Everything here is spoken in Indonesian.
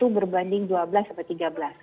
satu berbanding dua belas sampai tiga belas